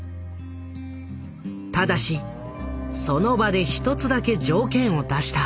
ただしその場で一つだけ条件を出した。